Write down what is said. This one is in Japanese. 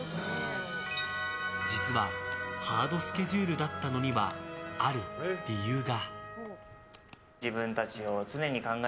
実はハードスケジュールだったのにはある理由が。